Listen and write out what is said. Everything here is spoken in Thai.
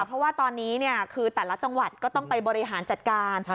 เพราะว่าตอนนี้คือแต่ละจังหวัดก็ต้องไปบริหารจัดการ